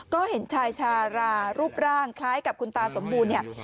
ก็เห็นชายชารารูปร่างคล้ายกับคุณตาสมบูรณ์เนี่ย